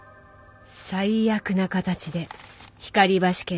最悪な形で光橋家大集合。